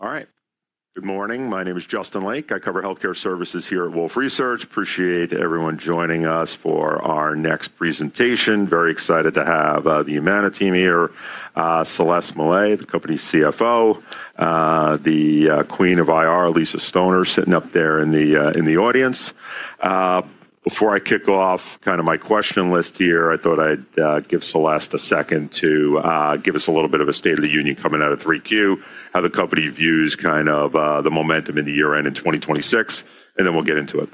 All right. Good morning. My name is Justin Lake. I cover healthcare services here at Wolfe Research. Appreciate everyone joining us for our next presentation. Very excited to have the Humana team here. Celeste Mellet, the company's CFO, the Queen of IR, Lisa Stoner, sitting up there in the audience. Before I kick off, kind of my question list here, I thought I'd give Celeste a second to give us a little bit of a State of the Union coming out of 3Q, how the company views kind of the momentum in the year end in 2026, and then we'll get into it.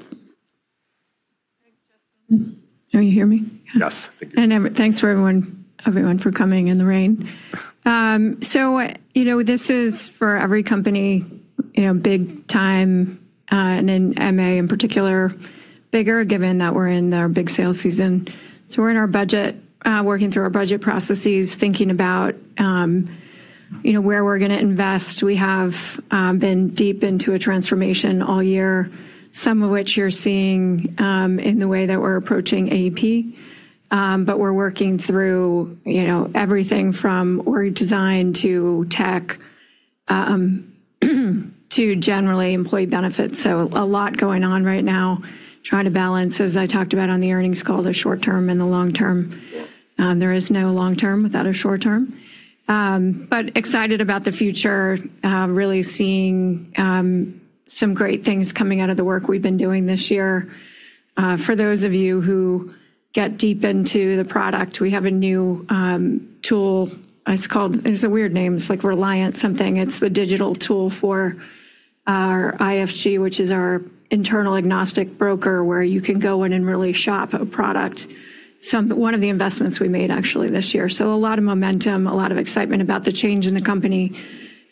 Thanks, Justin. Can you hear me? Yes. Thank you. Thanks for everyone for coming in the rain. This is for every company, big time, and then MA in particular, bigger, given that we're in their big sales season. We're in our budget, working through our budget processes, thinking about where we're going to invest. We have been deep into a transformation all year, some of which you're seeing in the way that we're approaching AEP. We're working through everything from org design to tech to generally employee benefits. A lot going on right now, trying to balance, as I talked about on the earnings call, the short term and the long term. There is no long term without a short term. Excited about the future, really seeing some great things coming out of the work we've been doing this year. For those of you who get deep into the product, we have a new tool. It's called, it's a weird name, it's like Reliant something. It's the digital tool for our IFG, which is our internal agnostic broker, where you can go in and really shop a product. One of the investments we made actually this year. A lot of momentum, a lot of excitement about the change in the company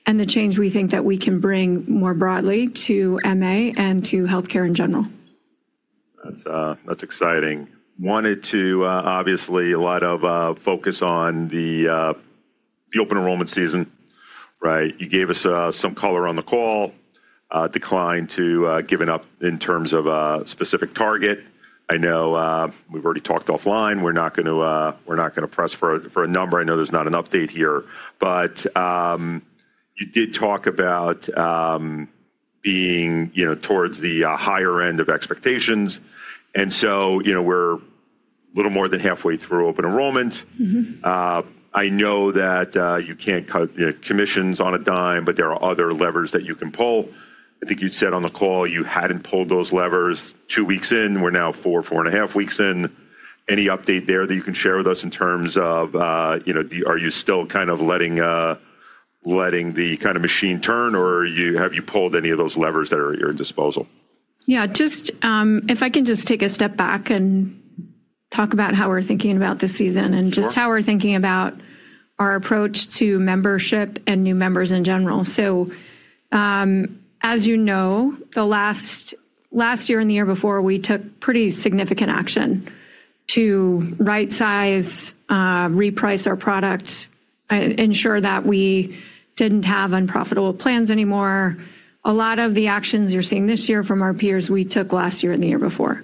and the change we think that we can bring more broadly to MA and to healthcare in general. That's exciting. Wanted to obviously a lot of focus on the open enrollment season, right? You gave us some color on the call, declined to give an up in terms of a specific target. I know we've already talked offline. We're not going to press for a number. I know there's not an update here. You did talk about being towards the higher end of expectations. We are a little more than halfway through open enrollment. I know that you can't cut commissions on a dime, but there are other levers that you can pull. I think you said on the call you hadn't pulled those levers. Two weeks in, we're now four, four and a half weeks in. Any update there that you can share with us in terms of are you still kind of letting the kind of machine turn, or have you pulled any of those levers that are at your disposal? Yeah, just if I can just take a step back and talk about how we're thinking about this season and just how we're thinking about our approach to membership and new members in general. As you know, last year and the year before, we took pretty significant action to right-size, reprice our product, ensure that we didn't have unprofitable plans anymore. A lot of the actions you're seeing this year from our peers, we took last year and the year before.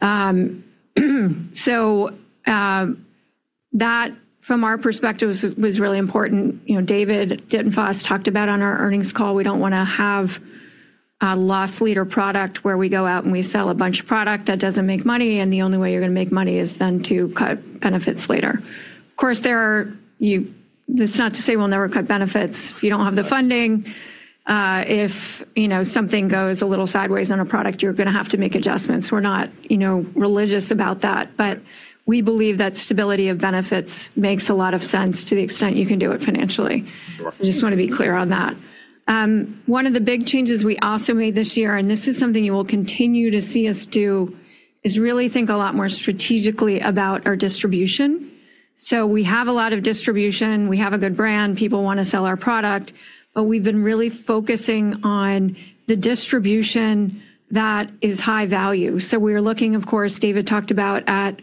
That from our perspective was really important. David Diamond talked about on our earnings call, we don't want to have a loss leader product where we go out and we sell a bunch of product that doesn't make money, and the only way you're going to make money is then to cut benefits later. Of course, there are, it's not to say we'll never cut benefits if you don't have the funding. If something goes a little sideways on a product, you're going to have to make adjustments. We're not religious about that, but we believe that stability of benefits makes a lot of sense to the extent you can do it financially. I just want to be clear on that. One of the big changes we also made this year, and this is something you will continue to see us do, is really think a lot more strategically about our distribution. We have a lot of distribution, we have a good brand, people want to sell our product, but we've been really focusing on the distribution that is high value. We're looking, of course, David talked about at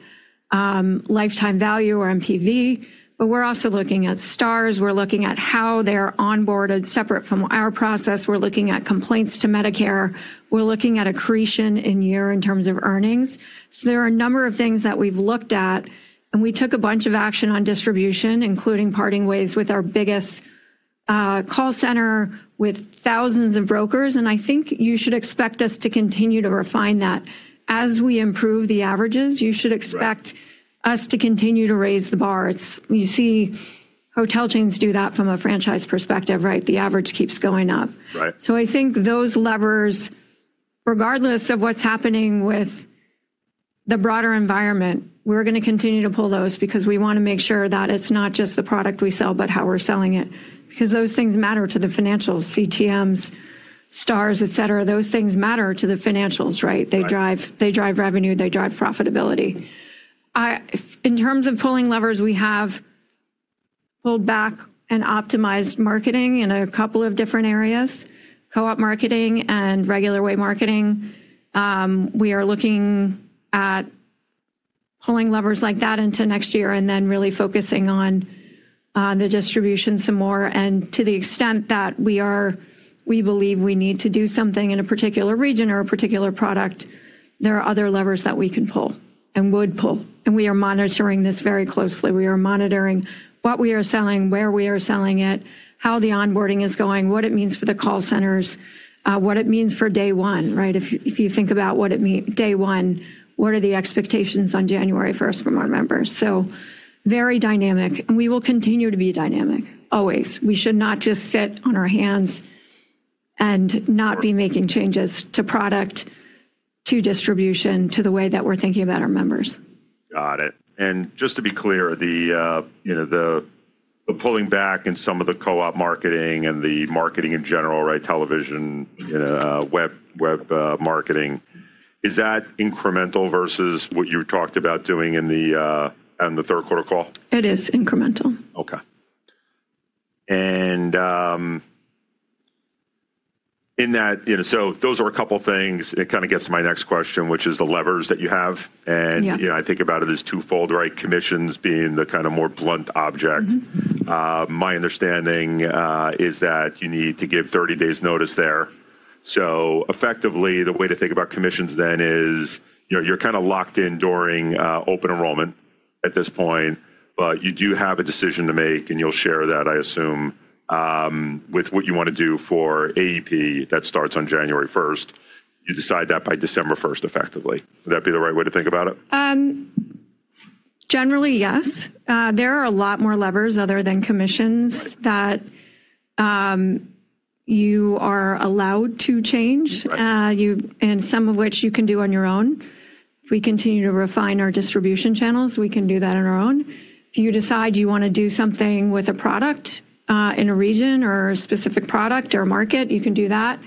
lifetime value or MPV, but we're also looking at STARS, we're looking at how they're onboarded separate from our process, we're looking at complaints to Medicare, we're looking at accretion in year in terms of earnings. There are a number of things that we've looked at, and we took a bunch of action on distribution, including parting ways with our biggest call center with thousands of brokers. I think you should expect us to continue to refine that. As we improve the averages, you should expect us to continue to raise the bar. You see hotel chains do that from a franchise perspective, right? The average keeps going up. I think those levers, regardless of what's happening with the broader environment, we're going to continue to pull those because we want to make sure that it's not just the product we sell, but how we're selling it. Because those things matter to the financials, CTMs, STARS, et cetera. Those things matter to the financials, right? They drive revenue, they drive profitability. In terms of pulling levers, we have pulled back and optimized marketing in a couple of different areas, co-op marketing and regular way marketing. We are looking at pulling levers like that into next year and then really focusing on the distribution some more. To the extent that we believe we need to do something in a particular region or a particular product, there are other levers that we can pull and would pull. We are monitoring this very closely. We are monitoring what we are selling, where we are selling it, how the onboarding is going, what it means for the call centers, what it means for day one, right? If you think about what it means day one, what are the expectations on January 1 from our members? Very dynamic. We will continue to be dynamic, always. We should not just sit on our hands and not be making changes to product, to distribution, to the way that we're thinking about our members. Got it. Just to be clear, the pulling back in some of the co-op marketing and the marketing in general, right? Television, web marketing. Is that incremental versus what you talked about doing in the third quarter call? It is incremental. Okay. In that, those are a couple of things. It kind of gets to my next question, which is the levers that you have. I think about it as twofold, right? Commissions being the kind of more blunt object. My understanding is that you need to give 30 days notice there. Effectively, the way to think about commissions then is you're kind of locked in during open enrollment at this point, but you do have a decision to make, and you'll share that, I assume, with what you want to do for AEP that starts on January 1. You decide that by December 1, effectively. Would that be the right way to think about it? Generally, yes. There are a lot more levers other than commissions that you are allowed to change, and some of which you can do on your own. If we continue to refine our distribution channels, we can do that on our own. If you decide you want to do something with a product in a region or a specific product or market, you can do that.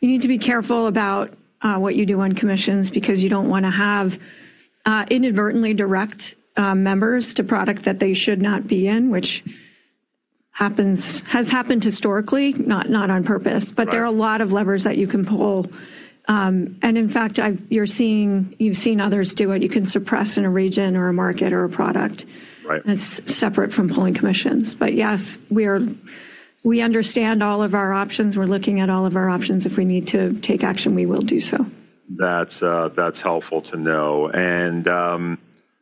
You need to be careful about what you do on commissions because you do not want to have inadvertently direct members to product that they should not be in, which has happened historically, not on purpose, but there are a lot of levers that you can pull. In fact, you have seen others do it. You can suppress in a region or a market or a product that is separate from pulling commissions. Yes, we understand all of our options. We're looking at all of our options. If we need to take action, we will do so. That's helpful to know.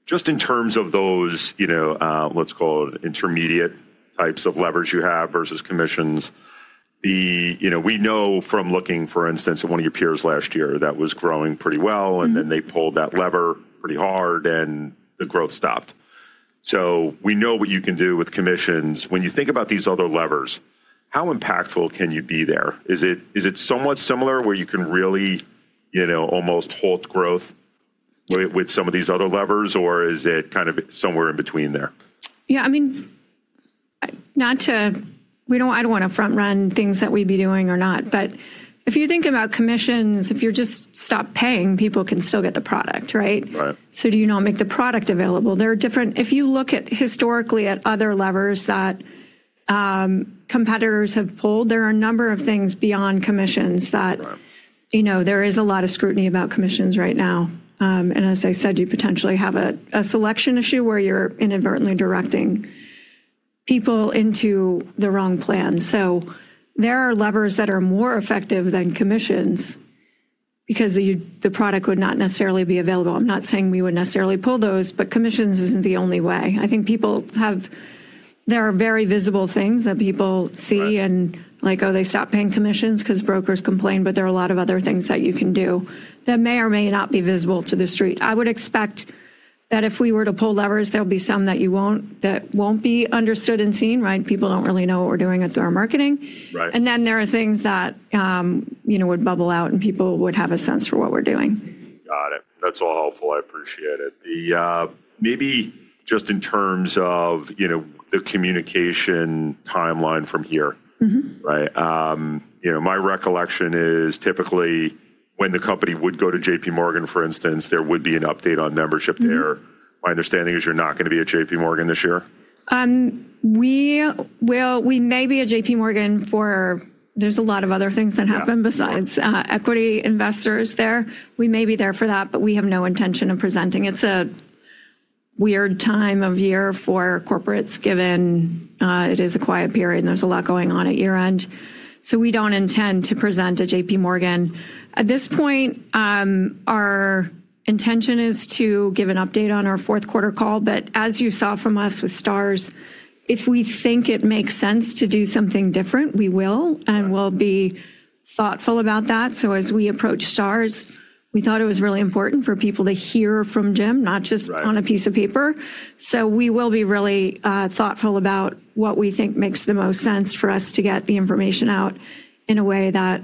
Just in terms of those, let's call it intermediate types of levers you have versus commissions, we know from looking, for instance, at one of your peers last year that was growing pretty well, and then they pulled that lever pretty hard and the growth stopped. We know what you can do with commissions. When you think about these other levers, how impactful can you be there? Is it somewhat similar where you can really almost halt growth with some of these other levers, or is it kind of somewhere in between there? Yeah, I mean, not to, I don't want to front-run things that we'd be doing or not, but if you think about commissions, if you just stop paying, people can still get the product, right? Do you not make the product available? If you look historically at other levers that competitors have pulled, there are a number of things beyond commissions. There is a lot of scrutiny about commissions right now. As I said, you potentially have a selection issue where you're inadvertently directing people into the wrong plan. There are levers that are more effective than commissions because the product would not necessarily be available. I'm not saying we would necessarily pull those, but commissions isn't the only way. I think people have, there are very visible things that people see and like, oh, they stop paying commissions because brokers complain, but there are a lot of other things that you can do that may or may not be visible to the street. I would expect that if we were to pull levers, there'll be some that won't be understood and seen, right? People don't really know what we're doing with our marketing. And then there are things that would bubble out and people would have a sense for what we're doing. Got it. That's all helpful. I appreciate it. Maybe just in terms of the communication timeline from here, right? My recollection is typically when the company would go to JPMorgan, for instance, there would be an update on membership there. My understanding is you're not going to be at JPMorgan this year? We may be at JPMorgan for, there's a lot of other things that happen besides equity investors there. We may be there for that, but we have no intention of presenting. It's a weird time of year for corporates given it is a quiet period and there's a lot going on at year-end. We don't intend to present at JPMorgan. At this point, our intention is to give an update on our fourth quarter call, but as you saw from us with Stars, if we think it makes sense to do something different, we will and we'll be thoughtful about that. As we approach Stars, we thought it was really important for people to hear from Jim, not just on a piece of paper. We will be really thoughtful about what we think makes the most sense for us to get the information out in a way that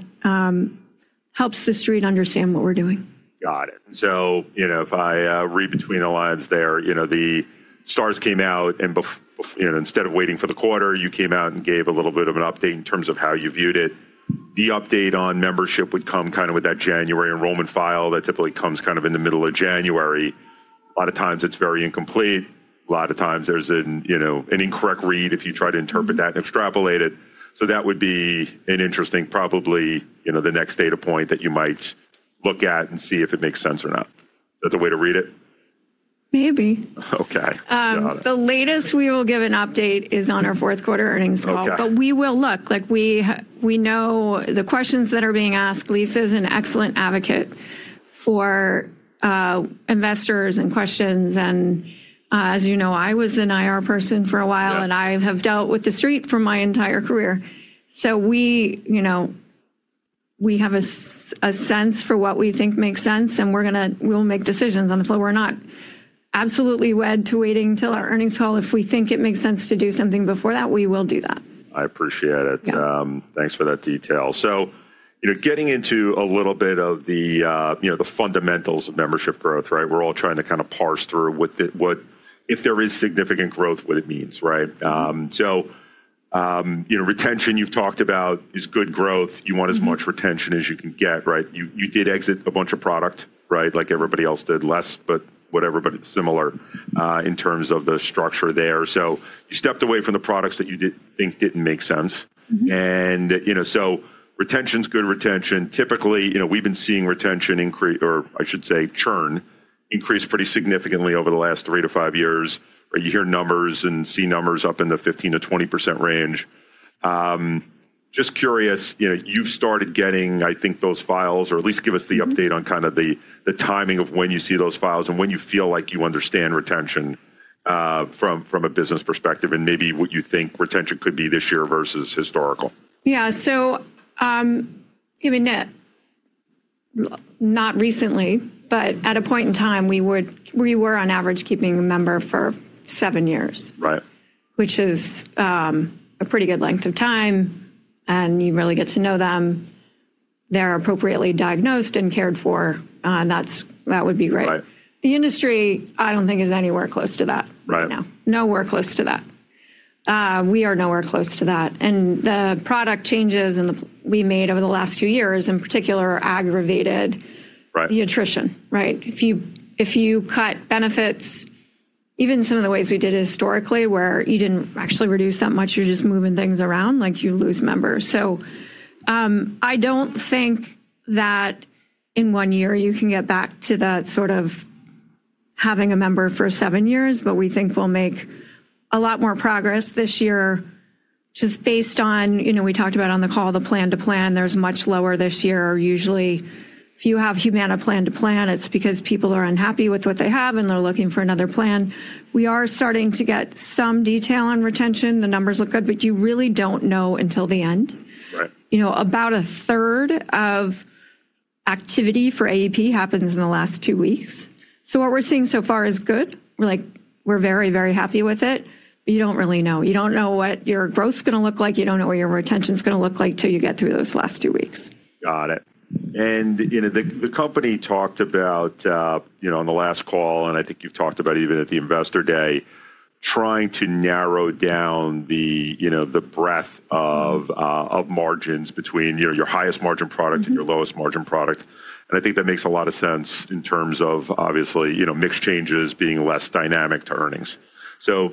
helps the street understand what we're doing. Got it. If I read between the lines there, the stars came out and instead of waiting for the quarter, you came out and gave a little bit of an update in terms of how you viewed it. The update on membership would come kind of with that January enrollment file that typically comes kind of in the middle of January. A lot of times it is very incomplete. A lot of times there is an incorrect read if you try to interpret that and extrapolate it. That would be an interesting probably the next data point that you might look at and see if it makes sense or not. Is that the way to read it? Maybe. Okay. The latest we will give an update is on our fourth quarter earnings call, but we will look. We know the questions that are being asked. Lisa is an excellent advocate for investors and questions. As you know, I was an IR person for a while and I have dealt with the street for my entire career. We have a sense for what we think makes sense and we'll make decisions on the floor. We're not absolutely wed to waiting till our earnings call. If we think it makes sense to do something before that, we will do that. I appreciate it. Thanks for that detail. Getting into a little bit of the fundamentals of membership growth, right? We're all trying to kind of parse through what if there is significant growth, what it means, right? Retention you've talked about is good growth. You want as much retention as you can get, right? You did exit a bunch of product, right? Like everybody else did less, but whatever, but similar in terms of the structure there. You stepped away from the products that you didn't think didn't make sense. Retention's good retention. Typically, we've been seeing retention increase, or I should say churn increase pretty significantly over the last three to five years. You hear numbers and see numbers up in the 15%-20% range. Just curious, you've started getting, I think, those files, or at least give us the update on kind of the timing of when you see those files and when you feel like you understand retention from a business perspective and maybe what you think retention could be this year versus historical. Yeah. Not recently, but at a point in time, we were on average keeping a member for seven years, which is a pretty good length of time. You really get to know them. They're appropriately diagnosed and cared for. That would be great. The industry, I don't think is anywhere close to that. No, we're close to that. We are nowhere close to that. The product changes we made over the last two years in particular aggravated the attrition, right? If you cut benefits, even some of the ways we did historically where you didn't actually reduce that much, you're just moving things around, like you lose members. I don't think that in one year you can get back to that sort of having a member for seven years, but we think we'll make a lot more progress this year just based on, we talked about on the call, the plan to plan, there's much lower this year. Usually, if you have Humana plan to plan, it's because people are unhappy with what they have and they're looking for another plan. We are starting to get some detail on retention. The numbers look good, but you really don't know until the end. About a third of activity for AEP happens in the last two weeks. What we're seeing so far is good. We're very, very happy with it. You don't really know. You don't know what your growth's going to look like. You don't know what your retention's going to look like till you get through those last two weeks. Got it. The company talked about on the last call, and I think you've talked about even at the investor day, trying to narrow down the breadth of margins between your highest margin product and your lowest margin product. I think that makes a lot of sense in terms of obviously mixed changes being less dynamic to earnings.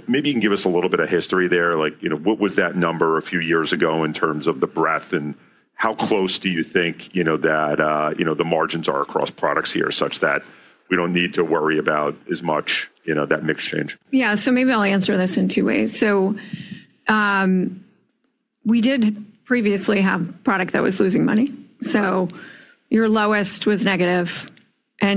Maybe you can give us a little bit of history there. What was that number a few years ago in terms of the breadth and how close do you think that the margins are across products here such that we don't need to worry about as much that mixed change? Yeah. Maybe I'll answer this in two ways. We did previously have product that was losing money. Your lowest was negative. I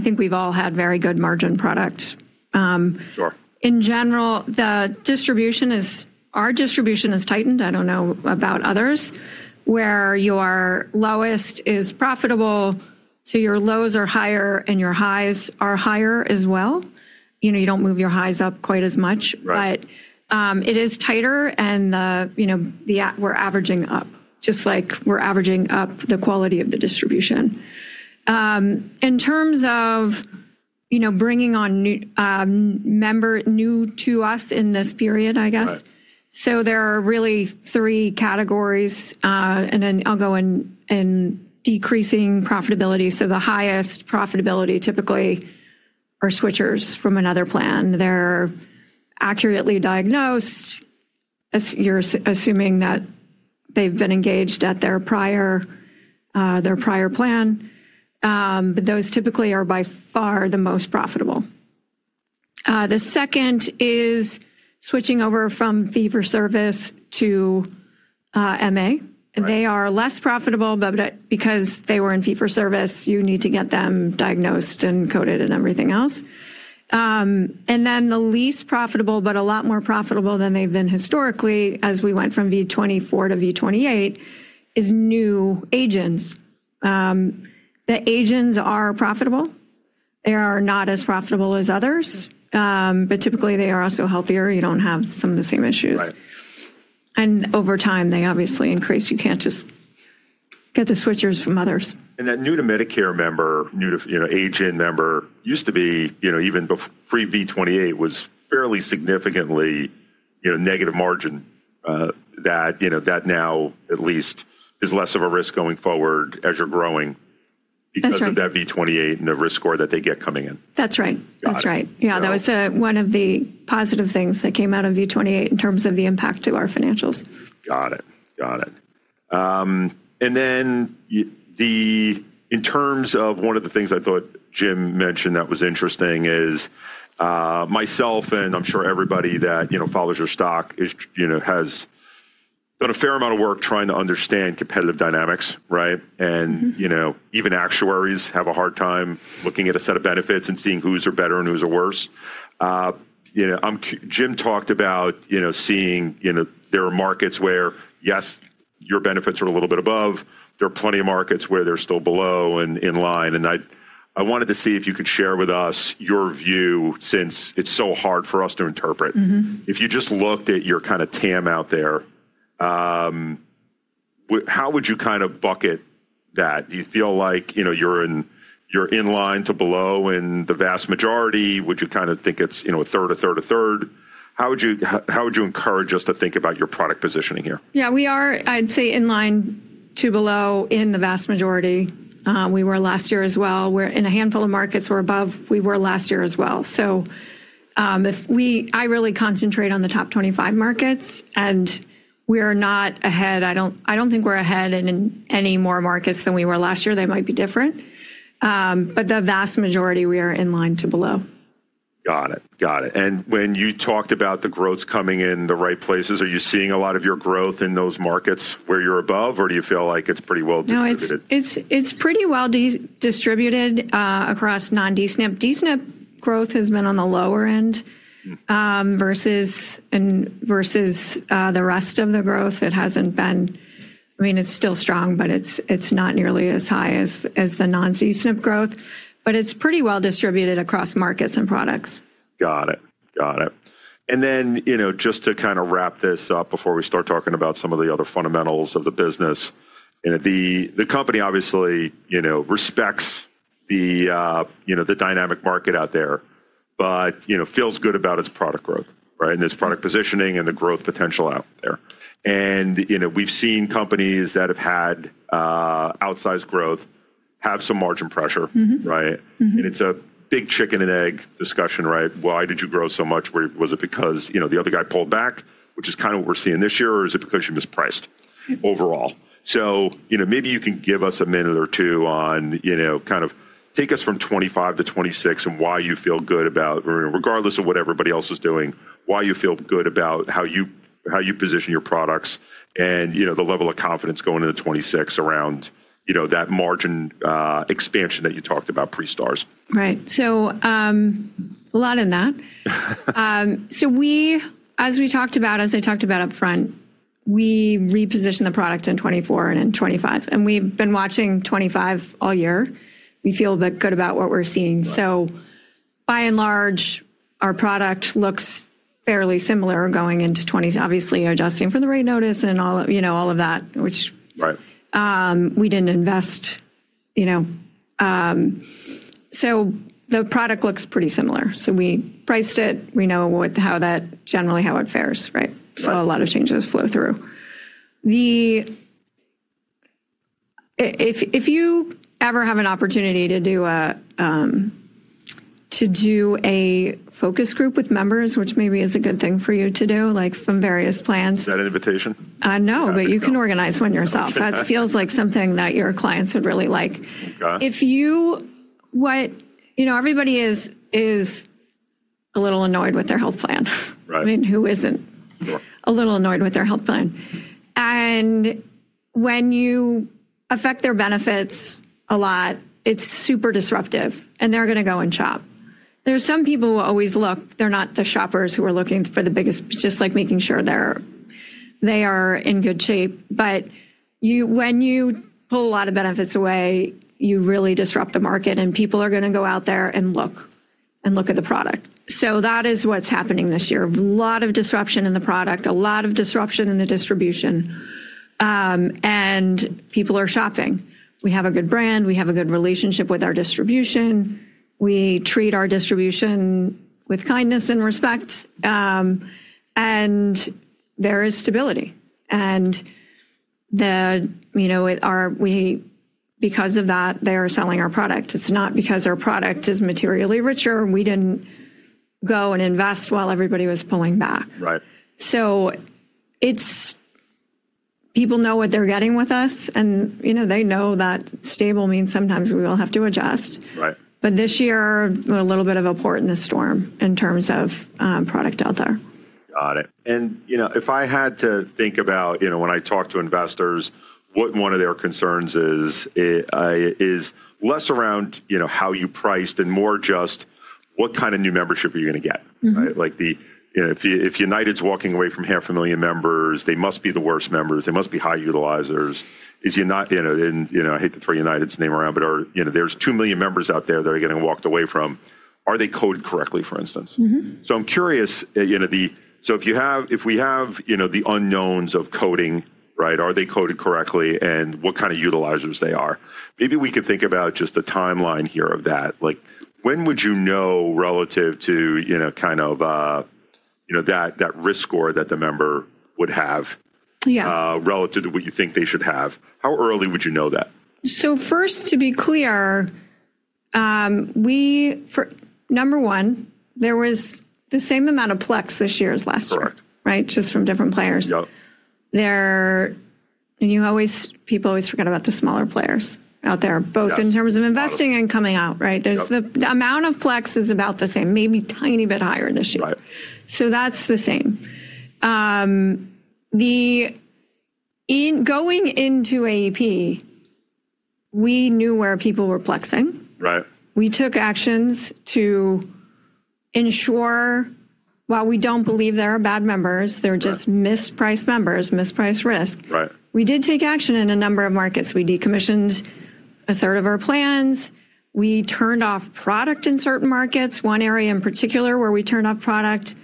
think we've all had very good margin products. In general, our distribution has tightened. I don't know about others where your lowest is profitable to your lows are higher and your highs are higher as well. You don't move your highs up quite as much, but it is tighter and we're averaging up just like we're averaging up the quality of the distribution. In terms of bringing on new to us in this period, I guess. There are really three categories and then I'll go in decreasing profitability. The highest profitability typically are switchers from another plan. They're accurately diagnosed. You're assuming that they've been engaged at their prior plan. Those typically are by far the most profitable. The second is switching over from fee-for-service to MA. They are less profitable, but because they were in fee-for-service, you need to get them diagnosed and coded and everything else. The least profitable, but a lot more profitable than they've been historically as we went from V24 to V28, is new agents. The agents are profitable. They are not as profitable as others, but typically they are also healthier. You do not have some of the same issues. Over time, they obviously increase. You cannot just get the switchers from others. That new to Medicare member, new to agent member used to be, even pre-V28, was fairly significantly negative margin. That now at least is less of a risk going forward as you're growing because of that V28 and the risk score that they get coming in. That's right. That's right. Yeah. That was one of the positive things that came out of V28 in terms of the impact to our financials. Got it. Got it. In terms of one of the things I thought Jim mentioned that was interesting is myself and I'm sure everybody that follows your stock has done a fair amount of work trying to understand competitive dynamics, right? Even actuaries have a hard time looking at a set of benefits and seeing who's better and who's worse. Jim talked about seeing there are markets where, yes, your benefits are a little bit above. There are plenty of markets where they're still below in line. I wanted to see if you could share with us your view since it's so hard for us to interpret. If you just looked at your kind of TAM out there, how would you kind of bucket that? Do you feel like you're in line to below in the vast majority? Would you kind of think it's a third, a third, a third? How would you encourage us to think about your product positioning here? Yeah, we are, I'd say in line to below in the vast majority. We were last year as well. We're in a handful of markets we're above, we were last year as well. I really concentrate on the top 25 markets and we are not ahead. I don't think we're ahead in any more markets than we were last year. They might be different. The vast majority, we are in line to below. Got it. Got it. When you talked about the growth coming in the right places, are you seeing a lot of your growth in those markets where you're above or do you feel like it's pretty well distributed? It's pretty well distributed across non-DSNP. DSNP growth has been on the lower end versus the rest of the growth. It hasn't been, I mean, it's still strong, but it's not nearly as high as the non-DSNP growth, but it's pretty well distributed across markets and products. Got it. Got it. Just to kind of wrap this up before we start talking about some of the other fundamentals of the business, the company obviously respects the dynamic market out there, but feels good about its product growth, right? Its product positioning and the growth potential out there. We've seen companies that have had outsized growth have some margin pressure, right? It's a big chicken and egg discussion, right? Why did you grow so much? Was it because the other guy pulled back, which is kind of what we're seeing this year? Or is it because you mispriced overall? Maybe you can give us a minute or two on kind of take us from 2025 to 2026 and why you feel good about, regardless of what everybody else is doing, why you feel good about how you position your products and the level of confidence going into 2026 around that margin expansion that you talked about pre-Stars. Right. A lot in that. As we talked about, as I talked about upfront, we repositioned the product in 2024 and in 2025. We have been watching 2025 all year. We feel good about what we are seeing. By and large, our product looks fairly similar going into 2025, obviously adjusting for the rate notice and all of that, which we did not invest. The product looks pretty similar. We priced it. We know generally how it fares, right? A lot of changes flow through. If you ever have an opportunity to do a focus group with members, which maybe is a good thing for you to do from various plans. Is that an invitation? No, but you can organize one yourself. That feels like something that your clients would really like. Everybody is a little annoyed with their health plan. I mean, who isn't a little annoyed with their health plan? When you affect their benefits a lot, it's super disruptive and they're going to go and shop. There are some people who always look. They're not the shoppers who are looking for the biggest, just like making sure they are in good shape. When you pull a lot of benefits away, you really disrupt the market and people are going to go out there and look and look at the product. That is what's happening this year. A lot of disruption in the product, a lot of disruption in the distribution, and people are shopping. We have a good brand. We have a good relationship with our distribution. We treat our distribution with kindness and respect. There is stability. Because of that, they are selling our product. It's not because our product is materially richer. We didn't go and invest while everybody was pulling back. People know what they're getting with us. They know that stable means sometimes we will have to adjust. This year, a little bit of a port in the storm in terms of product out there. Got it. If I had to think about when I talk to investors, what one of their concerns is less around how you priced and more just what kind of new membership are you going to get? Like if United's walking away from 500,000 members, they must be the worst members. They must be high utilizers. I hate to throw United's name around, but there are 2 million members out there that are getting walked away from. Are they coded correctly, for instance? I'm curious. If we have the unknowns of coding, right? Are they coded correctly and what kind of utilizers they are? Maybe we could think about just a timeline here of that. When would you know relative to kind of that risk score that the member would have relative to what you think they should have? How early would you know that? First, to be clear, number one, there was the same amount of PLEX this year as last year, right? Just from different players. People always forget about the smaller players out there, both in terms of investing and coming out, right? The amount of PLEX is about the same, maybe a tiny bit higher this year. That is the same. Going into AEP, we knew where people were PLEXing. We took actions to ensure, while we do not believe there are bad members, they are just mispriced members, mispriced risk. We did take action in a number of markets. We decommissioned a third of our plans. We turned off product in certain markets. One area in particular where we turned off product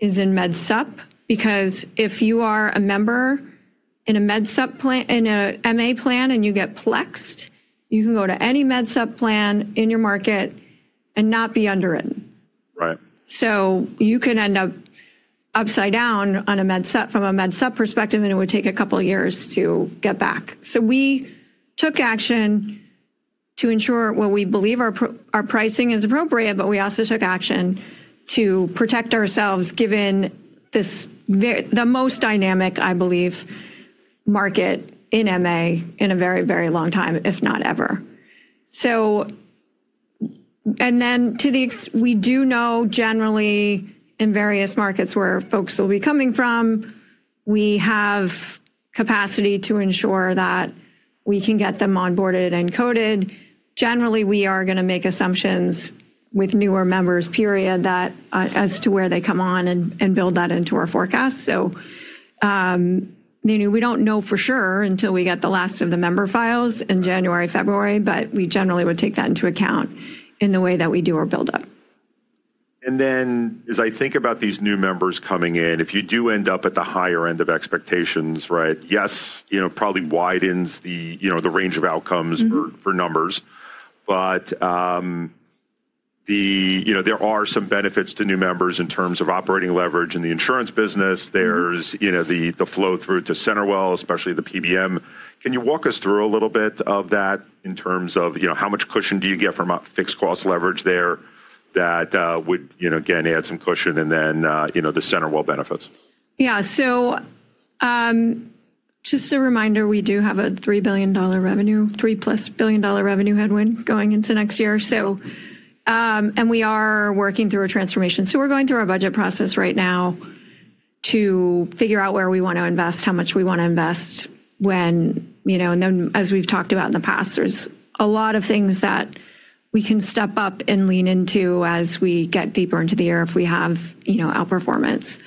is in med-sup because if you are a member in a med-sup plan, in an MA plan, and you get Plexed, you can go to any med-sup plan in your market and not be underwritten. You can end up upside down from a med-sup perspective, and it would take a couple of years to get back. We took action to ensure what we believe our pricing is appropriate, but we also took action to protect ourselves given the most dynamic, I believe, market in MA in a very, very long time, if not ever. We do know generally in various markets where folks will be coming from, we have capacity to ensure that we can get them onboarded and coded. Generally, we are going to make assumptions with newer members, period, as to where they come on and build that into our forecast. We don't know for sure until we get the last of the member files in January, February, but we generally would take that into account in the way that we do our build-up. As I think about these new members coming in, if you do end up at the higher end of expectations, right? Yes, it probably widens the range of outcomes for numbers. There are some benefits to new members in terms of operating leverage in the insurance business. There is the flow through to CenterWell, especially the PBM. Can you walk us through a little bit of that in terms of how much cushion do you get from fixed cost leverage there that would, again, add some cushion and then the CenterWell benefits? Yeah. So just a reminder, we do have a $3 billion revenue, $3+ billion revenue headwind going into next year. We are working through a transformation. We are going through our budget process right now to figure out where we want to invest, how much we want to invest. As we have talked about in the past, there are a lot of things that we can step up and lean into as we get deeper into the year if we have outperformance.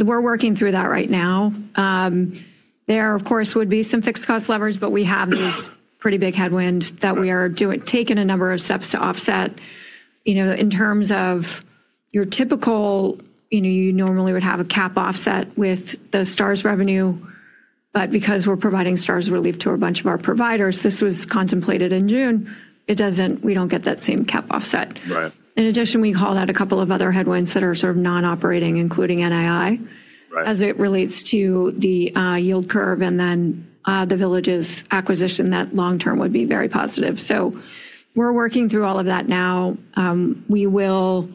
We are working through that right now. There, of course, would be some fixed cost leverage, but we have this pretty big headwind that we are taking a number of steps to offset in terms of your typical, you normally would have a cap offset with the STARS revenue. Because we're providing STARS relief to a bunch of our providers, this was contemplated in June, we don't get that same cap offset. In addition, we call out a couple of other headwinds that are sort of non-operating, including NAI, as it relates to the yield curve and then the villages' acquisition that long-term would be very positive. We're working through all of that now. We will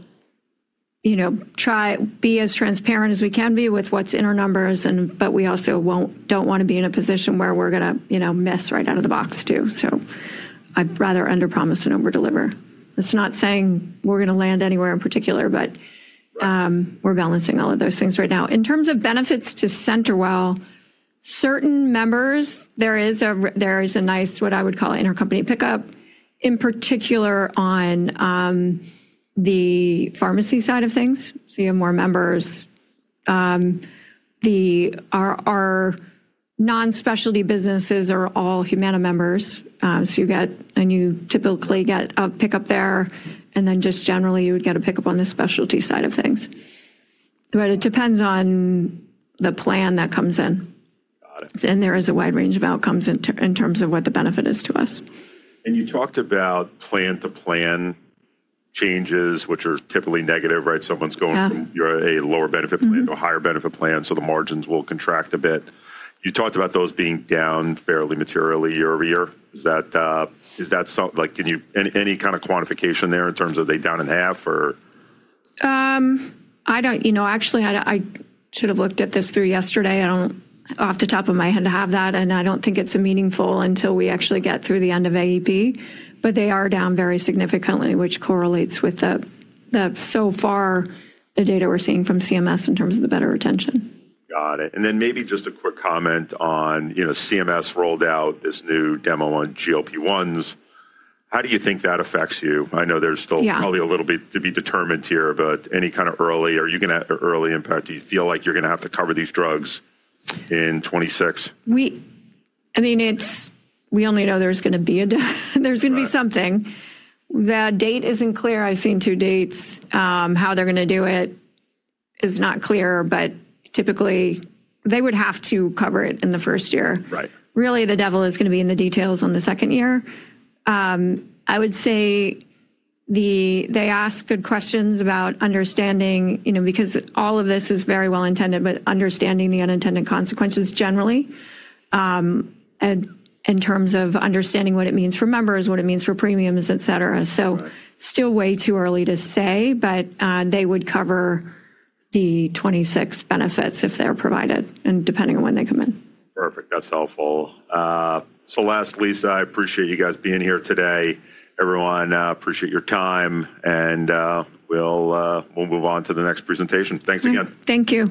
be as transparent as we can be with what's in our numbers, but we also don't want to be in a position where we're going to miss right out of the box too. I'd rather underpromise than overdeliver. That's not saying we're going to land anywhere in particular, but we're balancing all of those things right now. In terms of benefits to CenterWell, certain members, there is a nice, what I would call, intercompany pickup, in particular on the pharmacy side of things. You have more members. Our non-specialty businesses are all Humana members. You typically get a pickup there. Generally, you would get a pickup on the specialty side of things. It depends on the plan that comes in. There is a wide range of outcomes in terms of what the benefit is to us. You talked about plan-to-plan changes, which are typically negative, right? Someone's going from a lower benefit plan to a higher benefit plan, so the margins will contract a bit. You talked about those being down fairly materially year over year. Is that any kind of quantification there in terms of they down in half or? I don't, actually, I should have looked at this through yesterday. I don't, off the top of my head, have that. I don't think it's meaningful until we actually get through the end of AEP. They are down very significantly, which correlates with the so far the data we're seeing from CMS in terms of the better retention. Got it. Maybe just a quick comment on CMS rolled out this new demo on GLP-1s. How do you think that affects you? I know there's still probably a little bit to be determined here, but any kind of early, are you going to have an early impact? Do you feel like you're going to have to cover these drugs in 2026? I mean, we only know there's going to be a, there's going to be something. The date isn't clear. I've seen two dates. How they're going to do it is not clear, but typically they would have to cover it in the first year. Really, the devil is going to be in the details on the second year. I would say they ask good questions about understanding, because all of this is very well intended, but understanding the unintended consequences generally in terms of understanding what it means for members, what it means for premiums, etc. It is still way too early to say, but they would cover the 2026 benefits if they're provided and depending on when they come in. Perfect. That's helpful. Last, Lisa, I appreciate you guys being here today, everyone. Appreciate your time. We'll move on to the next presentation. Thanks again. Thank you.